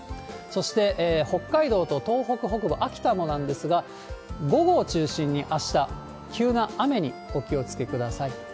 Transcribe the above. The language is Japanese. そして北海道と東北北部、秋田もなんですが、午後を中心にあした、急な雨にお気をつけください。